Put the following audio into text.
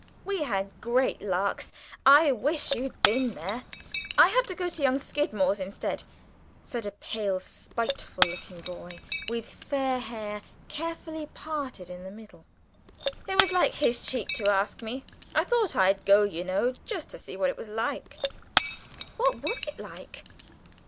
"We had great larks. I wish you'd been there!" "I had to go to young Skidmore's instead," said a pale, spiteful looking boy, with fair hair carefully parted in the middle. "It was like his cheek to ask me, but I thought I'd go, you know, just to see what it was like." "What was it like?"